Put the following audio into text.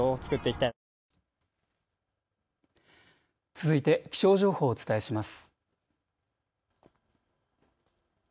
続いて気象情報をお伝えします。